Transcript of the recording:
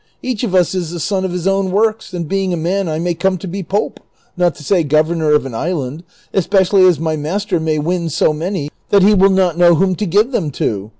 Each of us is the son of his own works ; and being a man I may come to be pope,^ not to say governor of an island, especially as my master may win so many that he will not know whom to give them to.